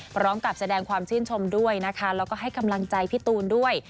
พร้อมกับแสดงความชื่นชมด้วยนะคะแล้วก็ให้กำลังใจพี่ตูนด้วย